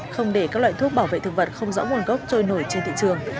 không để các loại thuốc bảo vệ thực vật không rõ nguồn gốc trôi nổi trên thị trường